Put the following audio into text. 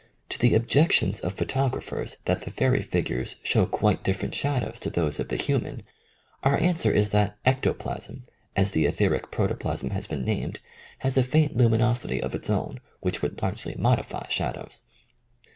To the ob jections of jphotographers that the fairy figures show quite different shadows to those of the human our answer is that ectoplasm, as the etheric protoplasm has been named, has a faint luminosity of its own, which would largely modify shadows.